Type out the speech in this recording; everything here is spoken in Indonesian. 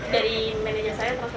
dari manajer saya